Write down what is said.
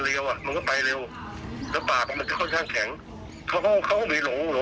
ลึกขึ้นทับพลาเข้ามาแล้วอาจจะวิ่งแม่งโต้ขึ้นไปเรื่อย